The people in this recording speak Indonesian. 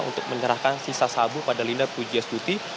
untuk menyerahkan sisa sabu pada linda pugias tuti